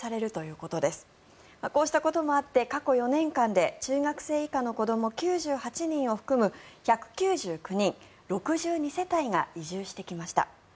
こうしたこともあって過去４年間で中学生以下の子ども９８人を含む１９９人６２世帯が移住してきました。